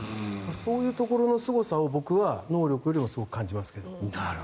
そういうところのすごさを僕は能力よりもすごく感じますけど。